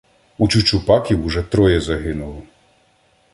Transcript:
У Чучупаків уже троє загинуло.